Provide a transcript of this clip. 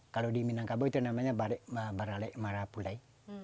kalau di minangkabau itu namanya baralek marapulai